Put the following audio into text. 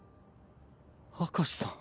明石さん。